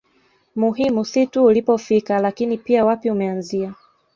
Muhimu si tu ulipofika lakini pia wapi umeanzia